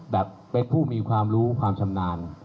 แบบเป็นผู้มีความรู้ความชำนาญ